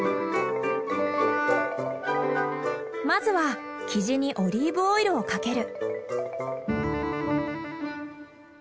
まずはキジにオリーブオイルをかける。